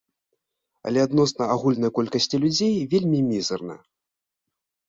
Але адносна агульнай колькасці людзей вельмі мізэрна.